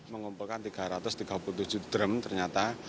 mengumpulkan tiga ratus tiga puluh tujuh drum ternyata